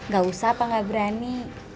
gak usah apa nggak berani